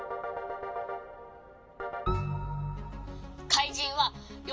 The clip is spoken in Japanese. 「かいじんはよ